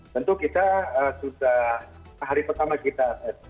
tentu kita sudah hari pertama kita tes